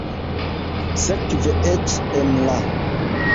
Sekve eĉ en la.